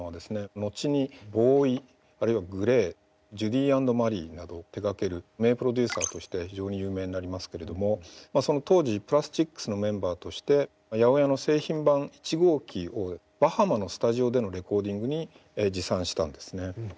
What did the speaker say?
後にＢＯＷＹあるいはＧＬＡＹＪＵＤＹＡＮＤＭＡＲＹなどを手がける名プロデューサーとして非常に有名になりますけれども当時プラスチックスのメンバーとして８０８の製品版１号機をバハマのスタジオでのレコーディングに持参したんですね。